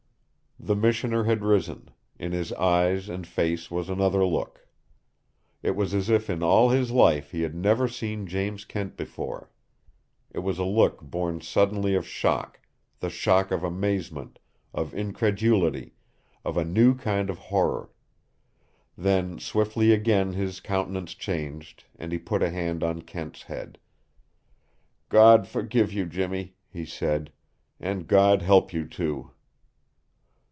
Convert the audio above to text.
The missioner had risen. In his eyes and face was another look. It was as if in all his life he had never seen James Kent before. It was a look born suddenly of shock, the shock of amazement, of incredulity, of a new kind of horror. Then swiftly again his countenance changed, and he put a hand on Kent's head. "God forgive you, Jimmy," he said. "And God help you, too!"